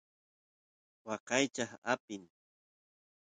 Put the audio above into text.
waqaychaq apin